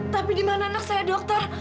tapi gimana anak saya dokter